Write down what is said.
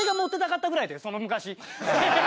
その昔。